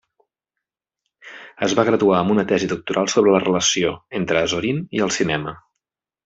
Es va graduar amb una tesi doctoral sobre la relació entre Azorín i el cinema.